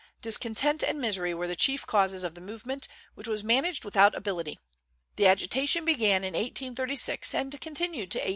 Discontent and misery were the chief causes of the movement, which was managed without ability. The agitation began in 1836 and continued to 1848.